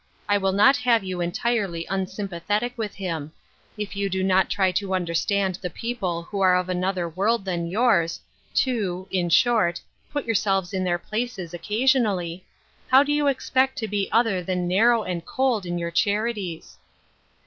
I will not have you entirely unsympathetic with him ; if you do not try to understand the people who are of another world than yours, to — in short, " put yourselves in their places " occasionally, how do you expect to be other than narrow and cold in your charities?